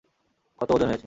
কত ওজন হয়েছে?